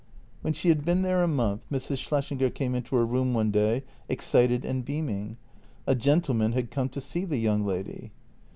When she had been there a month Mrs. Schlessinger came into her room one day, excited and beaming — a gentleman had come to see the young lady.